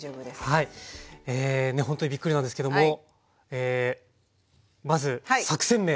はいほんとにびっくりなんですけどもまず作戦名お願いします。